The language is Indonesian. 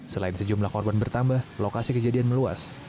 selain sejumlah korban bertambah lokasi kejadian meluas